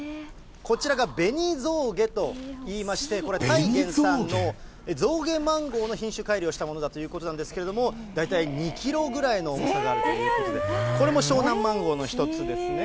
こちらが紅象牙といいまして、これ、タイ原産の、象牙マンゴーの品種改良したものだということなんですけれども、大体２キロぐらいの重さがあるということで、これも湘南マンゴーの一つですね。